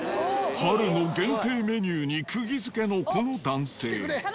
春の限定メニューにくぎづけのこの男性。